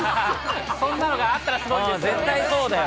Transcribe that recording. そんなのがあったらすごいん絶対そうだよ。